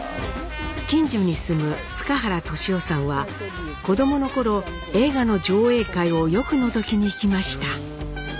近所に住む塚原利夫さんは子どもの頃映画の上映会をよくのぞきに行きました。